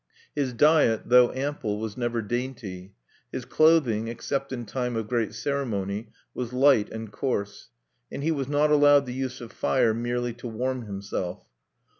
His diet, though ample, was never dainty; his clothing, except in time of great ceremony, was light and coarse; and he was not allowed the use of fire merely to warm himself.